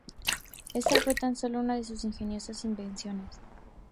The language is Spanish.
Esta fue tan solo una de sus ingeniosas invenciones.